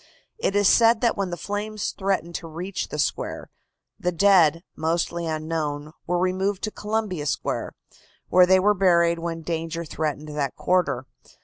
It is said that when the flames threatened to reach the square, the dead, mostly unknown, were removed to Columbia Square, where they were buried when danger threatened that quarter.